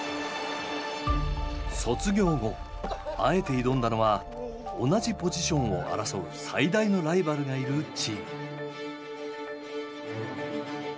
卒業後あえて挑んだのは同じポジションを争う最大のライバルがいるチーム。